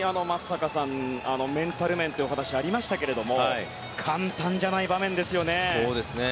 メンタル面というお話がありましたが簡単じゃない場面ですよね。